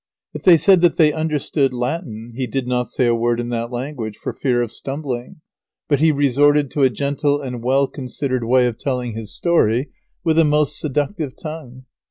] If they said that they understood Latin, he did not say a word in that language, for fear of stumbling, but he resorted a gentle and well considered way of telling his story, with a most seductive tongue.